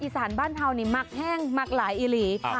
สถานบ้านเท้านี่มักแห้งมักหลายอีหรี่ค่ะ